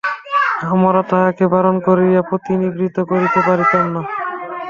আমরা তাঁহাকে বারণ করিয়া প্রতিনিবৃত্ত করিতে পারিতাম না।